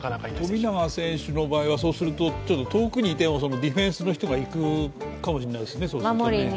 富永選手の場合はそうすると遠くにディフェンスの人が行くかもしれないですね。